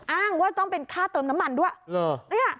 อ้างว่าต้องเป็นค่าเติมน้ำมันด้วยเหรอ